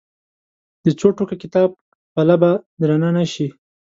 د څو ټوکه کتاب پله به درنه نه شي.